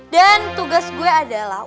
dan tugas gue adalah